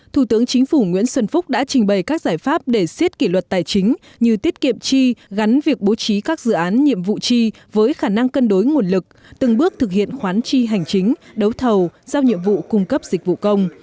thủ tướng chính phủ nguyễn xuân phúc đã trình bày các giải pháp để siết kỷ luật tài chính như tiết kiệm chi gắn việc bố trí các dự án nhiệm vụ chi với khả năng cân đối nguồn lực từng bước thực hiện khoán chi hành chính đấu thầu giao nhiệm vụ cung cấp dịch vụ công